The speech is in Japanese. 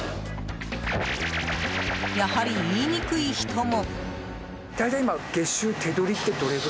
やはり言いにくい人も。